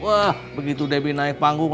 wah begitu debbie naik panggung